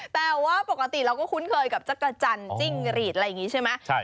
แต่ว่าปกติเราก็คุ้นเคยกับจักรจันจิ้งรีดอะไรแบบนี้ใช่มั้ย